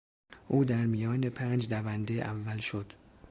او در میان پنج دونده اول شد.